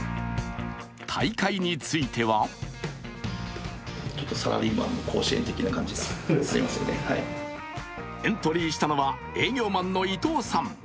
大会についてはエントリーしたのは営業マンの伊藤さん。